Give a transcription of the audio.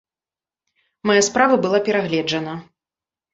Мая справа была перагледжана.